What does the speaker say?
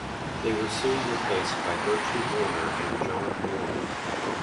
They were soon replaced by Gertrude Warner and John Moore.